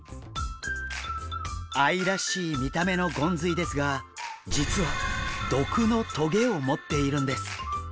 愛らしい見た目のゴンズイですが実は毒の棘を持っているんです。